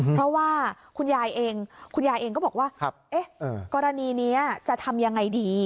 เพราะว่าคุณยายเองคุณยายเองก็บอกว่ากรณีนี้จะทำยังไงดี